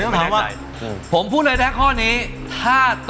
เหลือคองรักษายังไง